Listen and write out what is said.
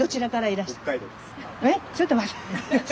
えちょっと待って。